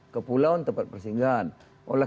kepulauan tempat persinggahan oleh